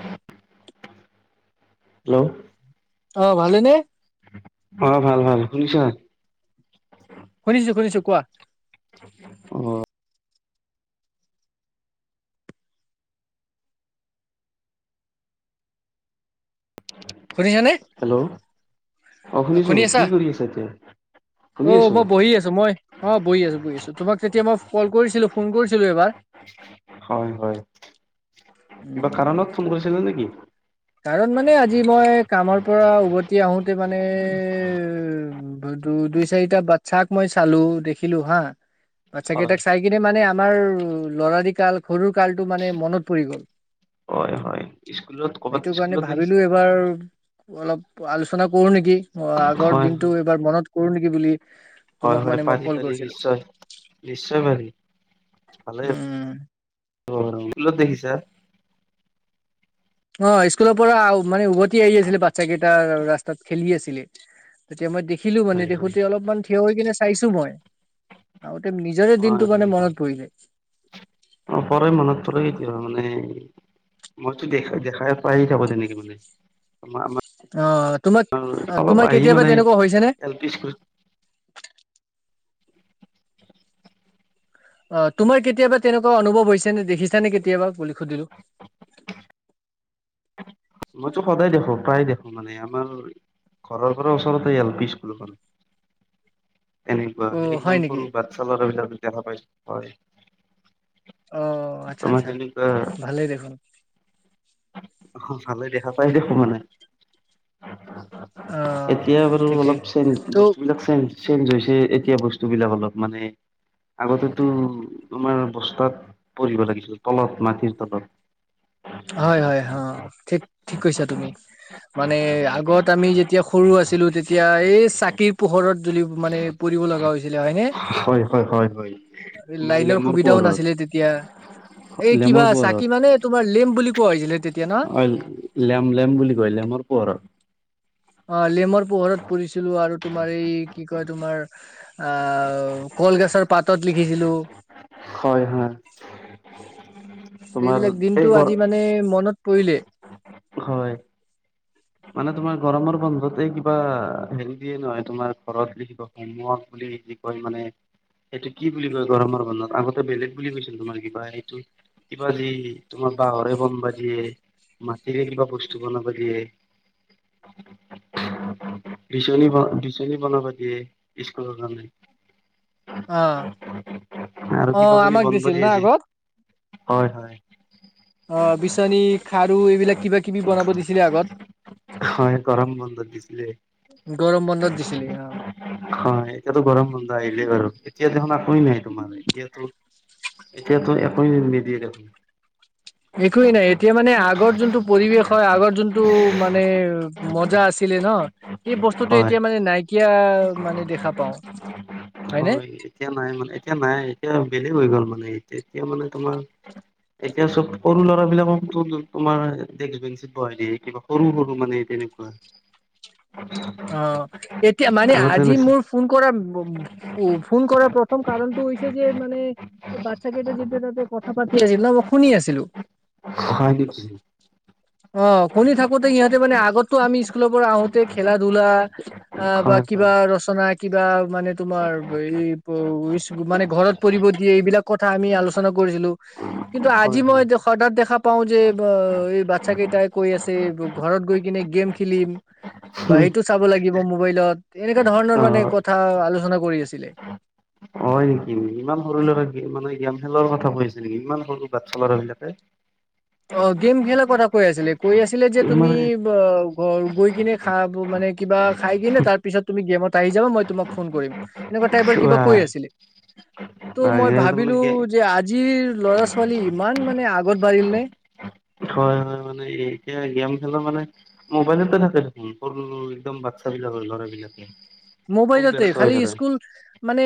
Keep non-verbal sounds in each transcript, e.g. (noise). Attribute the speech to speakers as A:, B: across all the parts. A: Hello
B: অ ভাল নে?
A: অ ভাল ভাল শুনিছা?
B: শুনিছো শুনিছো কোৱা,
A: অ
B: শুনিছেনে
A: হেল্ল' অ শুনিছো কি কৰি আছে এতিয়া শুনি
B: অ
A: আছো
B: মই বহি আছো মই অ বহি আছো বহি আছো তোমাক যেতিয়া মই কল কৰিছিলো ফোন কৰিছিলো এবাৰ
A: হয় হয় কিবা
B: উম
A: কাৰণত ফোন কৰিছিলে নেকি
B: কাৰণ মানে আজি মই কামৰ পৰা উভতি আহোতে মানে দু দুই চাৰিটা বাচ্ছাক মই চালো দেখিলো হা বাচ্ছা
A: হয়
B: কেইটাক চাই কিনে মানে আমাৰ ল'ৰাৰি কাল সৰুৰ কালটো মানে মনত পৰি গ'ল
A: হয় হয় স্কুলত ক'বাত
B: সেইটো কাৰণে
A: স্কুলত দেখিছে
B: ভাবিলো এইবাৰ অলপ আলোচনা কৰো নেকি অ আগৰ
A: হয় হয়
B: দিনতটো এবাৰ মনত কৰো নেকি বুলি
A: হয়
B: তোমাক
A: হয়
B: মানে মই
A: পাৰি
B: কল
A: পাৰি
B: কৰিছিলো
A: নিশ্চয় নিশ্চয় পাৰি
B: উম
A: অ এইলো দেখিছা
B: অ স্কুলৰ পৰা মানে উভতি আহি আছিলে বাচ্ছা কেইটা ৰাস্তাত খেলি আছিলে তেতিয়া মই দেখিলো মানে
A: হয় হয়
B: দেখোতে অলপমান থিয় হৈ কিনে চাইছো মই নিজৰে
A: হয়
B: দিনটো
A: হয়
B: মানে
A: হয়
B: মনত পৰি যায়
A: ত মানে মইতো দেখা দেখাই পায় থাকো তেনেকে মানে
B: অ তোমাক
A: (unintelligible)
B: অ
A: অলপ
B: তোমাৰ
A: আহি
B: কেতিয়াবা
A: মানে
B: তেনেকুৱা হৈছে নে
A: এল পি স্কুলত (unintelligible)
B: অ তোমাৰ কেতিয়াবা তেনেকুৱা অনুভৱ হৈছে নে দেখিছা নে কেতিয়াবা বুলি সুধিলো
A: মইতো সদায় দেখো প্ৰায় দেখো মানে আমাৰ ঘৰৰ ঘৰৰ ওচৰতে এল পি স্কুলখন এনেকুৱা
B: অ হয়
A: একদম
B: নেকি
A: সৰু বাচ্ছা ল'ৰাবিলাক দেখা পাইছো হয়
B: অ আচ্ছা
A: তোমাৰ
B: আচ্ছা,
A: তেনেকুৱা
B: ভালে দেখোন।
A: অ ভালে দেখা পাই দেখো মানে।
B: অ
A: এতিয়া বাৰু
B: ঠিকেই
A: অলপ ছেঞ্জ
B: ত'
A: বস্তুবিলাক ছেঞ্জ চেঞ্জ হৈছে এতিয়া বস্তুবিলাক অলপ মানে আগতেতো আমাৰ বস্তাত পৰিব লাগিছিল তলত মাটিৰ তলত।
B: হয়, হয়, অ, ' ঠিক ঠিক কৈছা তুমি। মানে আগত আমি যেতিয়া সৰু আছিলো তেত তিয়া এই চাকিৰ পোহৰত জুলি মানে পঢ়িব লগা হৈছিলে। হয়নে?
A: হয় হয় হয় হয় তোমাৰ
B: লাইনৰ
A: লেমৰ
B: সুবিধাও
A: পোহৰত
B: নাছিলে তেতিয়া। এই কিবা চাকি মানে তোমাৰ লেম বুলি কোৱা হৈছিলে তেতিয়া ন
A: অ, 'লেম লেম বুলি কয় লেমৰ পোহৰৰ।
B: অ', লেমৰ পোহৰত পঢ়িছিলো আৰু তোমাৰ এই কি কয় তোমাৰ আহ কলগছৰ পাতত লিখিছিলো।
A: হয়, হয়। তোমাৰ
B: কেইবিলাক
A: এই
B: দিনটো
A: গৰ
B: আজি মানে মনত পৰিলে।
A: হয়। মানে তোমাৰ গৰমৰ বন্ধতে কিবা হেল্ডিয়ে নহয় তোমাৰ ঘৰত লিখিব হোম ৱৰ্ক বুলি যি কি কয় মানে এইটো কি বুলি কয় গৰমৰ বন্ধত আগতে বেলেগ বুলি কৈছিল তোমাৰ কিবা এইটো কিবা যি তোমাৰ বাঁহৰে বম বা দিয়ে মা টিৰে কিবা বস্তু বনাব দিয়ে বিচনী ব বিচনী বনাবা দিয়ে স্কুলৰ কাৰণে।
B: অ
A: আৰু
B: অ
A: কিবা কিবি
B: আমাক
A: বনব
B: দিছিল
A: দি
B: না
A: আছি,
B: আগত
A: হয় হয়।
B: অ বিচনী, খাৰু এইবিলাক কিবা কিবি বনাব দিছিলে আ
A: হয়, গৰম বন্ধত দিছিলে।
B: দিছিলি অ।
A: হয়, এতিয়াতো গৰম বন্ধ আহিলেই বাৰু এতিয়া দেখোন আকো নাই তোমাৰ এতিয়াতো এতিয়াতো একোৱে নিদিয়ে দেখোন।
B: একোৱেই নাই এতিয়া মানে আগ আগৰ যোনটো পৰিৱেশ হয় আগৰ যোনটো মানে মজা আছিলে ন, এই বস্তুটো
A: হয়
B: এতিয়া মানে নাইকিয়া মানে দেখা পাওঁ। হয়নে?
A: হয়, এতিয়া নাই মানে এতিয়া নাই এতিয়া বেলেগ হৈ গ'ল মানে এতিয়া মানে তোমাৰ এতিয়া চব সৰু ল'ৰা বিলাকক তো তোমাৰ ডেস্ক বেঞ্চিত বহাই দিয়ে, কিবা সৰু সৰু মানে তেনেকুৱা।
B: অ, এতিয়া মানে
A: আগতে
B: আজি
A: নাছিল
B: মোৰ ফোন কৰা উ, উ, ফোন কৰাৰ প্ৰথম কাৰণটো হৈছে যে মানে বাচ্ছা কেইটা যেতিয়া তাতে কথা পাতি আছিল ন মই শুনি আছিলো।
A: হয় নেকি?
B: অ, শুনি থাকোতে সিহঁতে মানে আগতটো আমি স্কুলৰ পৰা আহোতে খেলা ধূলা অ বা
A: হয় হয়
B: কিবা ৰচনা কিবা মানে তোমাৰ এই মানে ঘৰত পৰিব দিয়ে এইবিলাক কথা আমি আলোচনা কৰিছিলো। কিন্তু আজি
A: হয়
B: মই
A: হয়
B: সদৎ দেখা পাও যে এই বাচ্ছা কেইটাই কৈ আছে ঘৰত গৈ কিনে গেম খেলিম। বা সেইটো চাব লাগিব মোবাইলত এনেকুৱা ধৰণৰ মানে
A: অ'
B: কথা আলোচনা কৰি আছিলে
A: হয়, নেকি ইমান সৰু ল'ৰা কি মানে গেম খেলৰ কথা কৈ নেকি ইমান সৰু বাচ্ছা লৰা বিলাকে?
B: অ, গেম খেলাৰ কথা কৈ আছিলে, কৈ আছিলে যে তুমি
A: মানে
B: ঘৰ গৈ কিনে খাব মানে কিবা খাই কি নে তাৰ পিছত তুমি গেমত আহি যাবা মই তোমাক ফোন কৰিম এনেকুৱা টাইপৰ কিবা কৈ আছিলে। তো মই ভাবিলো
A: তাৰমানে
B: যে আজি ল'ৰা ছোৱালী ইমান মানে আগত বাঢ়িল নে
A: অ, হয়, হয়, মানে এতিয়া গেম খেলা মানে মোবাইলতে থাকে দেখোন সৰু একদম বাচ্ছা বিলাক ল'ৰাবিলাক
B: মোবাইলতে খালি স্কুল মানে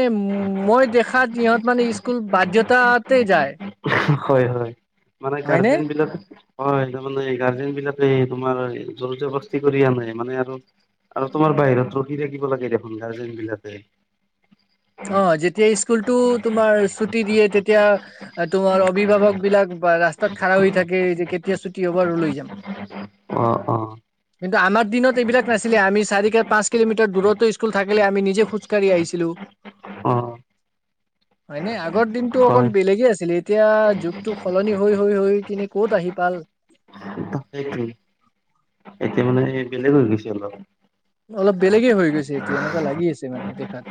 B: মই দেখাত ইহঁত মানে স্কুল বাধ্যতাত তে যায়
A: হয় হয় মানে
B: হয়নে
A: গাৰ্জেন বিলাক হয় মানে গাৰ্জেন বিলাকে তোমাৰ জোৰ জবস্তি কৰি আ নাই মানে আৰু (unintelligible) আৰু তোমাৰ বাহিৰত ৰখি থাকিব লাগে দেখোন গাৰ্জেন বিলাকে
B: অ যেতিয়া স্কুলতটো তোমাৰ ছুটি দিয়ে তেতিয়া এতিয়া তোমাৰ অভিভাৱক বিলাক বা ৰাস্তাত খাৰা হৈ থাকে যে কেতিয়া ছুটি হ'ব আৰু লৈ যাম
A: অ অ
B: কিন্তু আমাৰ দিনত এইবিলাক নাছিলে আমি চাৰি কে পাঁচ কিলোমিটাৰ দূৰতো স্কুল থাকে আজি কালি আমি নিজে খোজকাঢ়ি আহিছিলো
A: অ
B: হয় ন আগৰ দিনতটো অকন
A: হয়
B: বেলেগে আছিলে এতিয়া যুগটো সলনি হৈ হৈ হৈ কিনে ক'ত আহি পাল
A: সেইটো এতিয়া মানে বেলেগ হৈ গৈছে অলপ
B: অলপ বেলেগে হৈ গৈছে এতিয়া এনেকুৱা লাগি আছে মানে দেখাত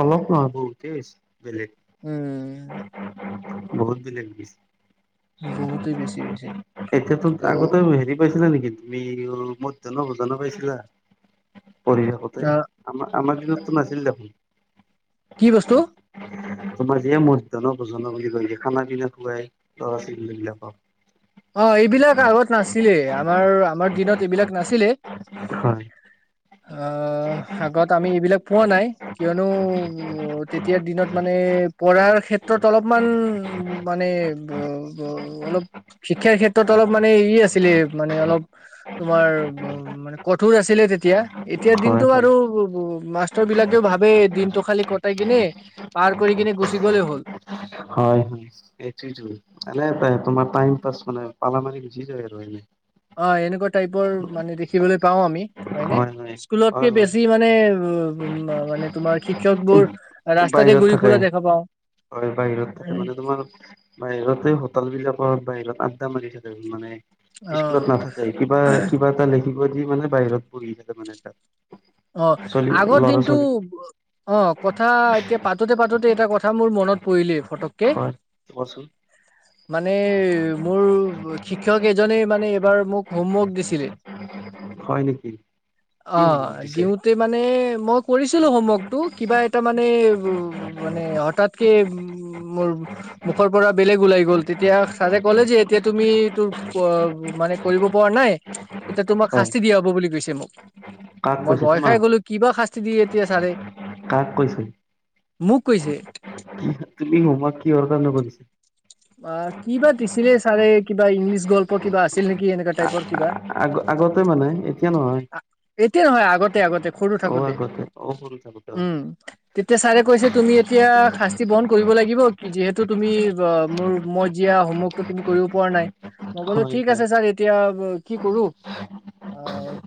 A: অলপ নহ বহতেই বেলেগ
B: উম
A: বহুত (unintelligible)
B: বহুতেই বেছি হৈছে,
A: এতিয়াতো
B: ত'
A: আগতে হেৰি পাইছিলা নেকি তুমি মধ জনা পাইছিলা পৰিঢশষতে
B: অ
A: আমাৰ আমাৰ দিনততো নাছিল দেখোন।
B: কি বস্তু?
A: তোমাৰ যেিয়ে মধ জন পোজন বুলি কৈছে খানা পিনা খুৱাই ল'ৰা ছোৱালীী বিলাকক।
B: অ এইবিলাক আগত নাছিলে আমাৰ আমাৰ দিনত এইবিলাক নাছিলে,
A: হয়
B: অ আগত আমি এইবিলাক পোৱা নাই কিয়নো তেতিয়া। দিনত মানে পঢ়াৰ ক্ষেত্ৰত অলপমান মানে অলপ। শিক্ষাৰ ক্ষেত্ৰত অলপ মানে ই আছিলে মানে অলপ তোমাৰ উ মানে কঠোৰ আছিলে। তেতিয়া এতিয়া
A: হয়
B: দিনতটো আৰু
A: হয়
B: মাষ্টৰ বিলাকেও ভাবে দিনটো খালি কটাই কিনে পাৰ কৰি কিনে গুচি গ'লে হ'ল।
A: হয় হয় এইটোাই তোমাৰাই পা মানে পালা মাৰি গুজি যায় আৰু এনে,
B: অ এনেকুৱা টাইপৰ মানে দেখিবলৈ পাও আমি হয়নে
A: হয় হয় হয়
B: স্কুলতকে
A: হয়
B: বেছি মানে উ মানে তোমাৰ শিক্ষক বোৰ ৰাস্তাতে
A: বাহিৰত
B: ঘূৰি
A: থাকে
B: ফুৰা দেখা পাওঁ।
A: হয় বাহিৰত থাকে মানে তোমাৰ বাহিৰতে হোটেল বিলাক বাহিৰত আড্ডা মাৰি থাকে মানে
B: অ',
A: স্কুলত নাথাকে কিবা কিবা এটা লখ মানে বাহিৰত পাৰি যে মানে তাত-
B: অ
A: ছোৱালী
B: আগৰ
A: ল'ৰা ছোৱালী
B: দিনতটো অ কথা এতিয়া পাতোতে পাতোতে এটা কথা মোৰ মনত পৰি ক ফটক - -
A: কচোন,
B: মানে মোৰ শিক্ষক এজনে মানে এইবাৰ মোক হোমৱৰ্ক দিছিলে
A: হয় নেকি কি
B: অ',
A: সমভৱ দিছে
B: দিওঁতে মানে মই কৰিছিলোঁ হোমৱৰ্কটো, কিবা এটা মানে মানে হঠাৎকে উ মোৰ মুখৰ পৰা বেলেগ ওলাই গ'ল। তেতিয়া চাৰে ক'লে যে, এতিয়া তুমি তোৰ মানে কৰিব পৰা নাই এতিয়া তোমাক
A: হয়
B: দিয়া হ'ব বুলি কৈছে মোক।
A: কাক
B: মই
A: কৈছে
B: ভয়
A: তোমাৰ?
B: খাই গ'লো কিবা শাস্তি দিয়ে এতিয়া ছাৰে
A: কাক কৈছে।
B: মোক কৈছে
A: তুমি হোমৱৰ্ক কিহৰ কাৰণে কৰিছাঁ?
B: অ কি বা দিছিলে ছাৰে, কিবা ইংলিছ গল্প কিবা আছিল নেকি এনেকুৱা টাইপৰ কিবা।
A: আগ আগতে মানে এতিয়া নহয়।
B: এতিয়া নহয়, আগতে আগতে সৰু
A: অ
B: থাকোতে,
A: আগতে অ সৰু থাকোতে হয়
B: উম তেতিয়া ছাৰে কৈছে তুমি এতিয়া শাস্তি বহণ কৰিব লাগিব, কি যিহেতু তুমি মোৰ মই জিয়া হোমৱৰ্কতো তুমি কৰিব পৰা নাই। মই কলোঁ
A: হয়
B: ঠিক আছে ছাৰ এতিয়া কি কৰো, অ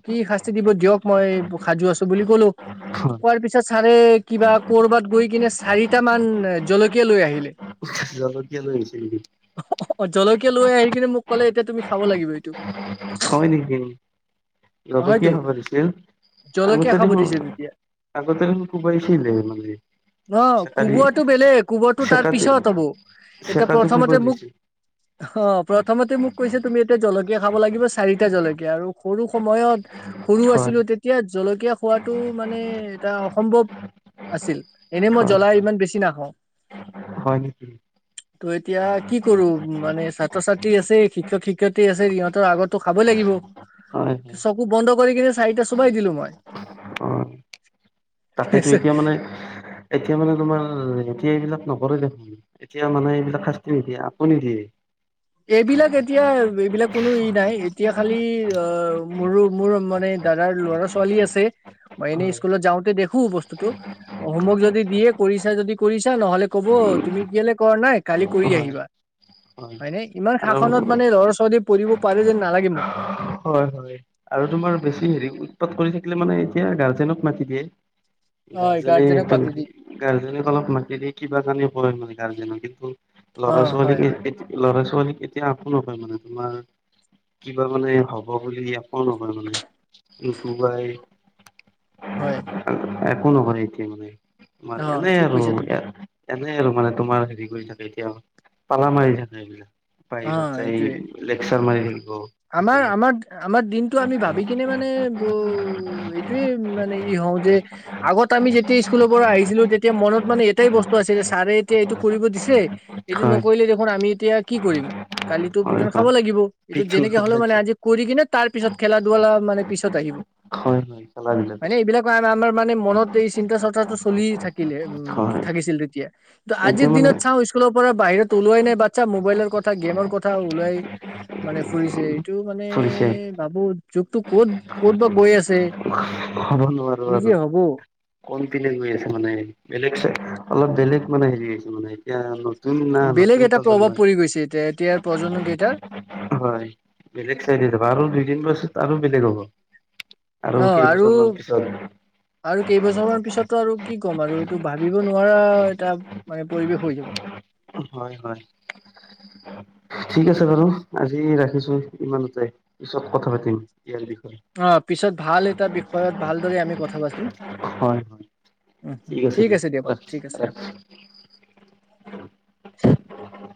B: কি শা দিব দিয়ক মই সাজু আছো বুলি কলো।
A: হয়
B: কোৱাৰ পিছত ছাৰে, কিবা কৰবাত গৈ কিনে চাৰিটা মান জলকীয়া লৈ আহিলে।
A: জলকীয়া লৈ আহিছে নেকি।
B: জলকীয়া লৈ আহি কিনে মোক ক'লে, এতিয়া তুমি খাব লাগিব এইটো।
A: লগত কি
B: হয়তো
A: খাব দিছিল।
B: জলকীয়া
A: আগতে
B: খাব
A: দেখোন,
B: দিছে তেতিয়া।
A: আগতে দেখোন, কোবাইছিল মানে।
B: ন
A: চেকাৰী
B: কোবোৱাটো বেলেগ কোবোৱাটো তাৰ
A: চেকাতে চেকাতে
B: পিছত হ'ব, এতিয়া
A: চেকাটো কোবাই
B: প্ৰথমতে মোক
A: দিছিল
B: অ প্ৰথমতে মোক কৈছে, তুমি এতিয়া জলকীয়া খাব লাগিব চাৰিটা জলকীয়া, আৰু সৰু সময়ত সৰু
A: হয়
B: আছিলো তেতিয়া জলকীয়া খোৱাটো মানে এটা অসম্ভৱ আছিল এনে মই
A: হয়
B: জ্বলা
A: হয়
B: ইমান বেছি নাখাওঁ।
A: হয় নেকি।
B: ত' এতিয়া কি কৰো মানে ছাত্ৰ ছাত্ৰী আছে শিক্ষক শিক্ষয়িত্ৰী আছে সিহঁতৰ আগতো খাব লাগিব
A: হয় হয়
B: চকু বন্ধ কৰি কিনে চাৰিটা চুবাই দিলো মই
A: তাকেইতো এতিয়া মানে, এতিয়া মানে তোমাৰ এতিয়া এইবিলাক নকৰে দেখোন। এতিয়া মানে এইবিলাক শাস্তি নিদিয়ে, আপুনি দিয়ে।
B: এইবিলাক এতিয়া এইবিলাক কোনো ই নাই। এতিয়া খালি অ মোৰো মোৰ মানে দাদাৰ ল'ৰা ছোৱালী আছে, মই এনেই
A: হয়
B: স্কুলত যাওঁতে দেখো খো বস্তুতটো, হোমৱৰ্ক যদি দিয়ে কৰিছা যদি কৰিছা নহলে ক'ব তুমি কেলে কৰা নাই। কালি কৰি
A: হয়
B: আহিবা।
A: হয়
B: হয়নে ইমান
A: আৰু
B: শাসনত মানে ল'ৰা ছোৱালী পঢ়িব পাৰে যেন নালাগে মোক
A: হয় হয় আৰু তোমাৰ বেছি হেৰি উৎপাত কৰি থাকিলে মানে এতিয়া গাৰ্জেনক মাতি দিয়ে
B: অ
A: গাৰ্জেনে
B: গাৰ্জেনক
A: এটো
B: পাতি দি
A: গাৰ্জেনে অলপ মাতি দি কিবা জানি কয় মানে গাৰ্জেনত এটো
B: অ
A: লৰা ছোৱালী
B: হয় হয়
A: এতি লৰা ছোৱালী এতিয়া একো নকয় মানে তোমাৰ কিবা মানে হ'ব বুলি একো নকয় মানে কুবাই
B: হয়।
A: একো নহৰে এতিয়া মানে। তোমাৰ
B: অ
A: এনেই
B: ঠিক
A: আৰু
B: কৈছা তুমি
A: এনে আৰু মানে তোমাৰ হেৰি কৰি থাকে এতিয়া, পালা মাৰি থাকে এইবিলাক।
B: অ
A: বাহিৰত যাই
B: এইটোয়ে
A: লেকচাৰ মাৰি
B: আমাৰ
A: হোটেলত
B: আমাৰ আমাৰ দিনটো আমি ভাবি কিনে মানে ব এইটোয়ে মানে ই হ কওঁ যে আগত আমি যেতিয়া স্কুলৰ পৰা আহিছিলো তেতিয়া মনত মানে এটাই বস্তু আছিল চাৰে এতিয়া এইটো কৰিব দিছে, এইটো
A: হয়
B: নকৰিলে দেখোন আমি এতিয়া কি কৰিম, কালিটো
A: হয়
B: পিটন খাব লাগিব, এইটো হলে মানে
A: হয়
B: আজি কৰি কিনে তাৰ পিছত খেলা ধূলা মানে পিছত আহিব।
A: হয় হয় খেলা ধূলা
B: হয় নে?
A: পিছত
B: এইবিলাক আমাৰ মানে মনত এই চিন্তা চৰ্চাটো চলি থাকিলে উম
A: হয়
B: থাকিছিল তেতিয়া কি আজিৰ
A: এতিয়া মানে
B: দিনত চাওঁ স্কু লৰ পৰা বাহিৰত ওলোৱাই নাই বাচ্ছা, মোবাইলৰ কথা গেমৰ কথা ওলোৱাই মানে ছে এইটো মানে
A: ফুৰিছে
B: ভাবো যুগটো ক'ত, ক'ত বা গৈ আছে।
A: হ'ব নোৱা
B: কি যে হ'ব।
A: কোন পিনে গৈ আছে মানে। বেলেগ চ, অলপ বেলেগ মানে হেৰিছে মানে এতিয়া তুমি না
B: বেলেগ
A: নতুন
B: এটা
A: প্ৰজন্ম
B: প্ৰভাৱ পৰি গৈছে এতিয়া এতিয়াৰ প্ৰজন্ম কেইটাৰ
A: (unintelligible) হয় বেলেগ (unintelligible) দুই তিন বছৰ তাৰো বেলেগ হ'ব আৰু কেই বছৰ মান পিছত।
B: আৰু কেইবছৰমান পিছতো আৰু কি ক'ম আৰু এইটো ভাবিব নোৱাৰা এটা মানে পৰিৱেশ হৈ যাব।
A: হয়, হয়। ঠিক আছে বাৰু, আজি ৰাখিছো ইমানতে। পিছত কথা পাতিম। ইয়াৰ বিষয়ে
B: অ', পিছত ভাল এটা বিষয়ত ভালদৰে আমি কথা পাতিম।
A: হয় হয়
B: উম, ঠিক আছে দিয়া বাৰু ঠিক আছে অ'। (inaudible)